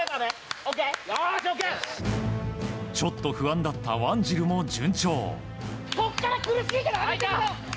ちょっと不安だったワンジルも順調。